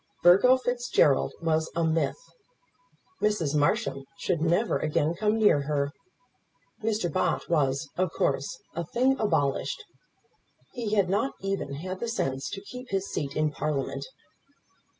Burgo Fitzgerald was a myth. Mrs. Marsham should never again come near her. Mr. Bott was, of course, a thing abolished; he had not even had the sense to keep his seat in Parliament.